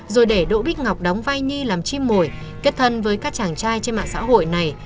rồi để đỗ bích ngọc đóng vai nhi làm chim mồi kết thân với các chàng trai trên mạng xã hội này